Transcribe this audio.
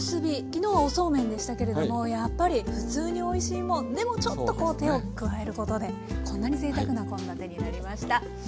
昨日はおそうめんでしたけれどもやっぱり「ふつうにおいしいもん」でもちょっとこう手を加えることでこんなにぜいたくな献立になりました。